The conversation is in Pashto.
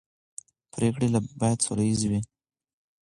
پرېکړې باید سوله ییزې وي